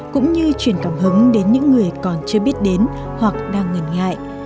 cũng như truyền cảm hứng đến những người còn chưa biết đến hoặc đang ngần ngại